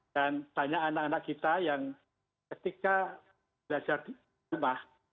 banyak anak anak kita yang ketika belajar di rumah